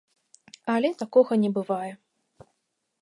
Але такога не бывае.